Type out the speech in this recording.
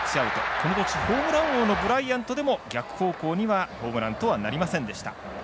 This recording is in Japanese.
この年ホームラン王のブライアントでも逆方向ではホームランとはなりませんでした。